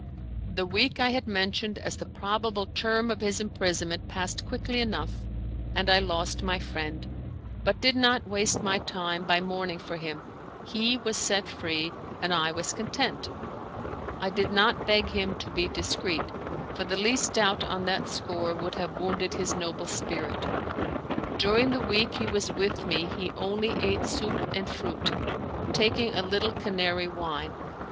The week I had mentioned as the probable term of his imprisonment passed quickly enough, and I lost my friend, but did not waste my time by mourning for him; he was set free, and I was content. I did not beg him to be discreet, for the least doubt on that score would have wounded his noble spirit. During the week he was with me he only ate soup and fruit, taking a little Canary wine.